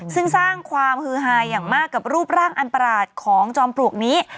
ซึ่งสร้างความฮือหาอย่างมากกับรูปร่างอันประหลาดของจอมปลวกนี้